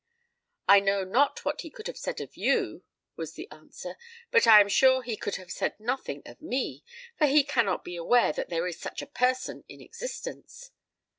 "I know not what he could have said of you," was the answer; "but I am sure he could have said nothing of me—for he cannot be aware that there is such a person in existence."